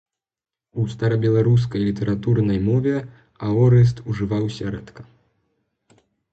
У старабеларускай літаратурнай мове аорыст ужываўся рэдка.